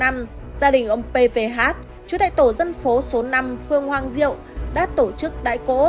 gia đình ông p v h chủ đại tổ dân phố số năm phương hoàng diệu đã tổ chức đại cổ